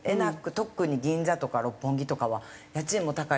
特に銀座とか六本木とかは家賃も高いでしょうし。